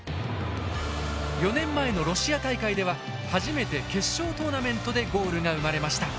４年前のロシア大会では初めて決勝トーナメントでゴールが生まれました。